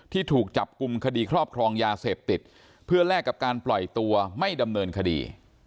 ถูกจับกลุ่มคดีครอบครองยาเสพติดเพื่อแลกกับการปล่อยตัวไม่ดำเนินคดี